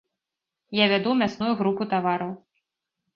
Я вяду мясную групу тавараў.